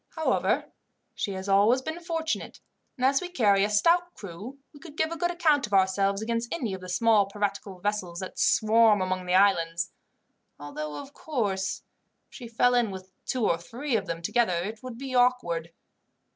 However, she has always been fortunate, and as we carry a stout crew she could give a good account of herself against any of the small piratical vessels that swarm among the islands, although, of course, if she fell in with two or three of them together it would be awkward."